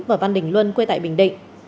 và văn đình luân quê tại bình định